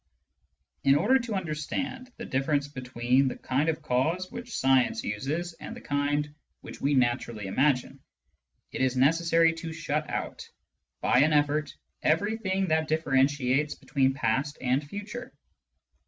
In order to understand the difference between the kind of cause which science uses and the kind which we naturally imagine, it is necessary to shut out, by an effort, everything that differentiates between past and future.